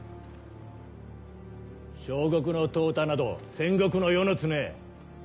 小国の淘汰など戦国の世の常。